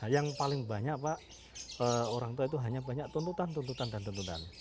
yang paling banyak pak orang tua itu hanya banyak tuntutan tuntutan dan tuntutan